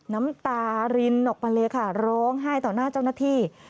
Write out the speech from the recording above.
น้ำตารินออกมาเลยค่ะร้องไห้ต่อหน้าเจ้าหน้าที่